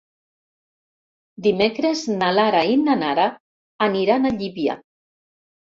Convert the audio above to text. Dimecres na Lara i na Nara aniran a Llívia.